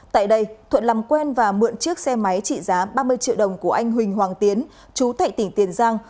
tại đây thuận làm quen và mượn chiếc xe máy trị giá ba mươi triệu đồng của anh huỳnh hoàng tiến chú thạy tỉnh tiền giang